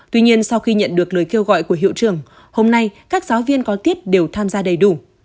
tuy nhiên sau khi nhận được lời kêu gọi của hiệu trưởng hôm nay các giáo viên có tiết đều tham gia đầy đủ